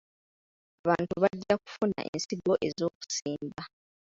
Abantu bajja kufuna ensigo ez'okusimba.